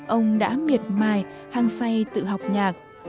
ông đã miệt mài hang say tự học nhạc